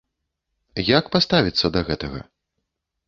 Як паставіцца да гэтага?